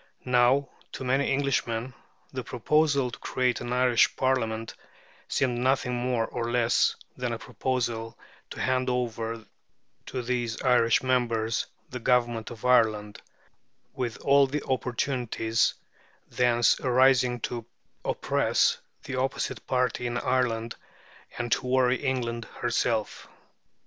Now, to many Englishmen, the proposal to create an Irish Parliament seemed nothing more or less than a proposal to hand over to these Irish members the government of Ireland, with all the opportunities thence arising to oppress the opposite party in Ireland and to worry England herself.